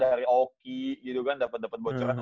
dari oki gitu kan dapet bocoran